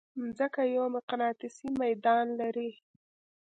مځکه یو مقناطیسي ميدان لري.